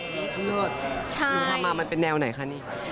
สุดยอดมีความมามันเป็นแนวไหนคะนี่สวย